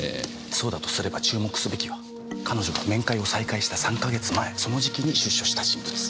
そうだとすれば注目すべきは彼女が面会を再開した３か月前その時期に出所した人物。